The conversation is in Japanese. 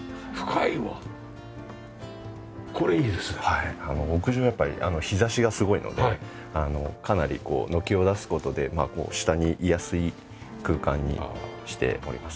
はい屋上やっぱり日差しがすごいのでかなりこう軒を出す事で下に居やすい空間にしております。